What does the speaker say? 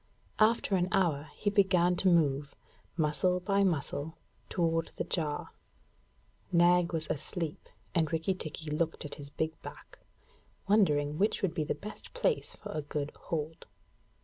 After an hour he began to move, muscle by muscle, toward the jar. Nag was asleep, and Rikki tikki looked at his big back, wondering which would be the best place for a good hold.